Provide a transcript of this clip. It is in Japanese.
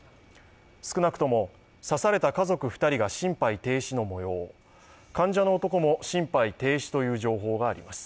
少なくとも刺された家族２人が心肺停止のもよう患者の男も心肺停止という情報があります。